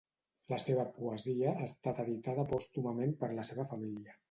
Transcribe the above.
La seva poesia ha estat editada pòstumament per la seva família.